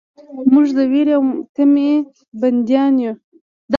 موږ د ویرې او طمعې بندیان یو.